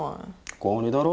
高２だろ。